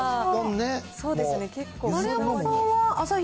そうですね、結構。